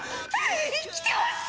生きてます！